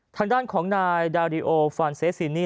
ทางด้านของนายดาริโอฟานเซสซีนี่